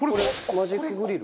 マジックグリル。